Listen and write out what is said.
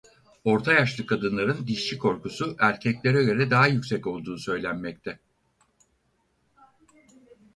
Orta yaşlı kadınların dişçi korkusu erkeklere göre daha yüksek olduğu söylenmekte.